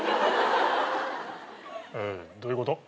どういうこと？